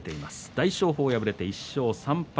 大翔鵬は敗れて１勝３敗。